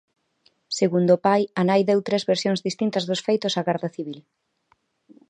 Segundo o pai, a nai deu tres versións distintas dos feitos á Garda Civil.